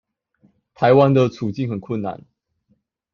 臺灣的處境很困難